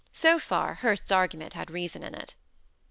So far, Hurst's argument had reason in it.